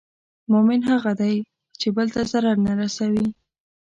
مؤمن هغه دی چې بل ته ضرر نه رسوي.